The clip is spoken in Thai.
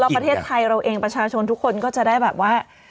ประเทศไทยเราเองประชาชนทุกคนก็จะได้แบบว่า